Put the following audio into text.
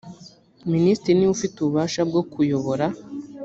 minisitiri ni we ufite ububasha bwo kuyobora.